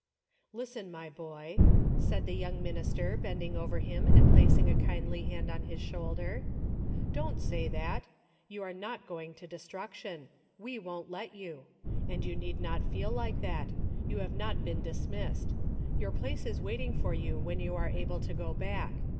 " Listen, my boy," said the young minister bending over him and placing a kindly hand on his shoulder. Don't say that. You are not going to destruction. We won't let you. And you need not feel like that. You have not been dismissed. Your place is waiting for you when you are able to go back.